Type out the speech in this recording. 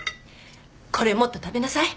これもっと食べなさい。